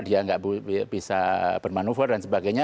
dia nggak bisa bermanuver dan sebagainya